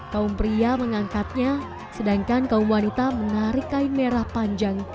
kaum pria mengangkatnya sedangkan kaum wanita menarik kain merah panjang